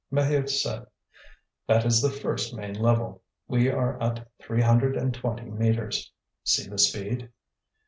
Maheu said: "That is the first main level. We are at three hundred and twenty metres. See the speed."